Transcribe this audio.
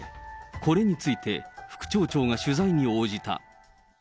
これについて、副町長が取材に応じた。